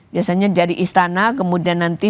biasanya dari istana kemudian nanti